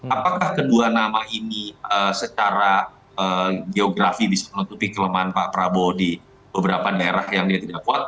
apakah kedua nama ini secara geografi bisa menutupi kelemahan pak prabowo di beberapa daerah yang dia tidak kuat